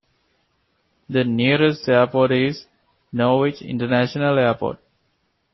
The nearest airport is Norwich International Airport.